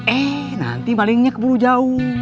eh nanti malingnya keburu jauh